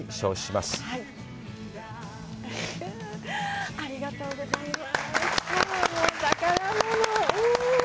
まあ、ありがとうございます！